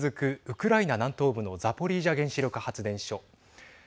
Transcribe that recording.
ウクライナ南東部のザポリージャ原子力発電所。